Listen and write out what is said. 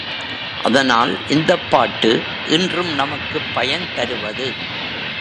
அதனால் இந்தப் பாட்டு இன்றும் நமக்குப் பயன் தருவது.